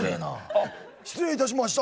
あ失礼いたしました。